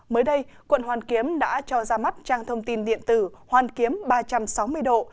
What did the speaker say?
mới đây quận hoàn kiếm đã cho ra mắt trang thông tin điện tử hoàn kiếm ba trăm sáu mươi độ